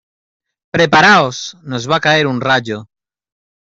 ¡ preparaos! nos va a caer un rayo.